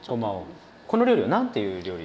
この料理は何ていう料理？